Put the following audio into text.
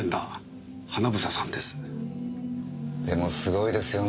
でもすごいですよねぇ。